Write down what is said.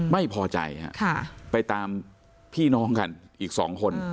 ไม่พอใจไปตามพี่น้องกันอีก๒คน